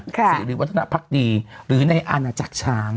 สิริวัฒนภักดีหรือในอาณาจักรช้าง